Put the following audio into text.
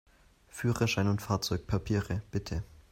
Führerschein und Fahrzeugpapiere, bitte!